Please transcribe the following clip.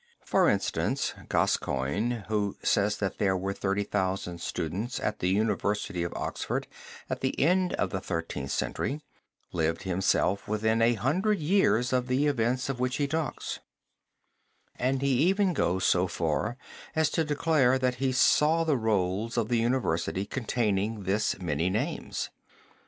For instance Gascoigne, who says that there were thirty thousand students at the University of Oxford at the end of the Thirteenth Century, lived himself within a hundred years of the events of which he talks, and he even goes so far as to declare that he saw the rolls of the University containing this many names.